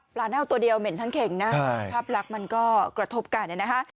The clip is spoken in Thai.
ปลาเน่าตัวเดียวเหม็นทั้งเข่งนะครับมันก็กระทบกันเลยนะฮะ